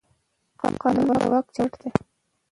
قانون د واک چوکاټ دی